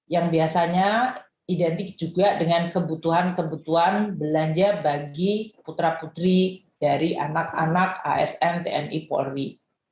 yang biasanya identik juga dengan kebutuhan kebutuhan belanja bagi putra putri dari anak anak asn tni polri